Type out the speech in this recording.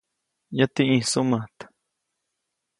Yäti ʼĩjsuʼmät.